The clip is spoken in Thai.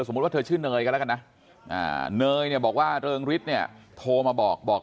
ว่าเธอชื่อเนยกันแล้วกันนะเนยเนี่ยบอกว่าเริงฤทธิ์เนี่ยโทรมาบอกบอก